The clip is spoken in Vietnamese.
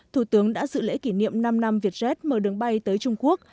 thủ tướng đã dự lễ kỷ niệm năm năm việt jet mở đường bay tới trung quốc